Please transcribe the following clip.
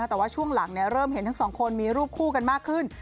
แต่ว่าช่วงหลังเริ่มเห็นทั้งสองคนมีรูปคู่กันมากขึ้น